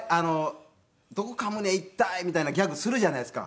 「どこかむねん。痛い」みたいなギャグするじゃないですか。